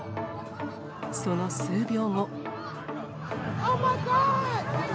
その数秒後。